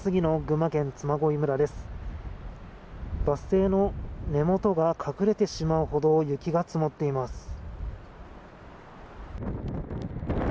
バス停の根元が隠れてしまうほど、雪が積もっています。